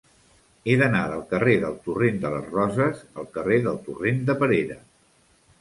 He d'anar del carrer del Torrent de les Roses al carrer del Torrent de Perera.